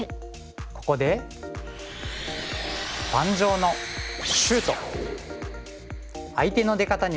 ここで盤上のシュート！